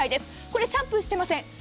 これ、シャンプーしてません。